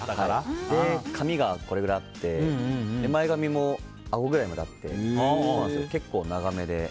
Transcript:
髪が肩ぐらいあって前髪もあごぐらいまであって結構長めで。